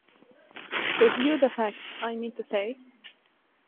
Review the facts, I mean to say.